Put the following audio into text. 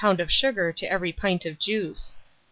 of sugar to every pint of juice.